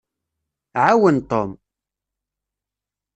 Ɛawen Tom.